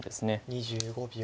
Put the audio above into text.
２５秒。